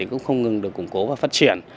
cũng không ngừng được củng cố và phát triển